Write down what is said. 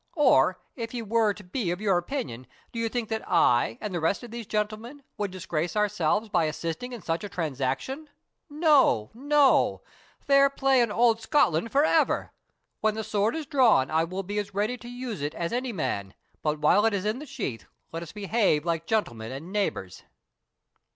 or, if he were to be of your opinion, do you think that I, and the rest of these gentlemen, would disgrace ourselves by assisting in such a transaction? No, no, fair play and auld Scotland for ever! When the sword is drawn, I will be as ready to use it as any man; but while it is in the sheath, let us behave like gentlemen and neighbours."